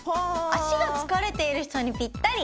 足が疲れている人にピッタリ！